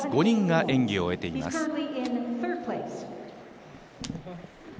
５人が演技を終えています。